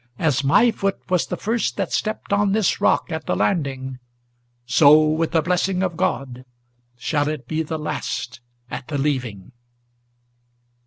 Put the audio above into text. as my foot was the first that stepped on this rock at the landing, So, with the blessing of God, shall it be the last at the leaving!"